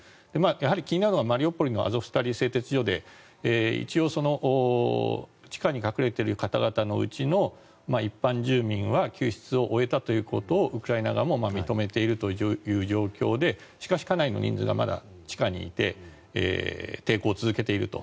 やはり気になるのはマリウポリのアゾフスタリ製鉄所で一応地下に隠れている方々のうちの一般住民は救出を終えたということをウクライナ側も認めているという状況でしかし、かなりの人数がまだ地下にいて抵抗を続けていると。